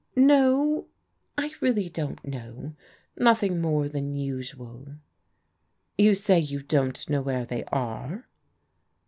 "No o — ^I really don't know. Nothing more than osdaL" " Yott say you don't know where they are?